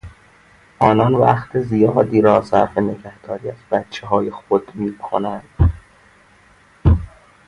آنان وقت زیادی را صرف نگهداری از بچههای خود میکنند.